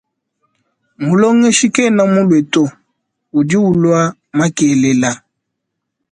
Mulongeshi kena mulue to udi ulua makelela.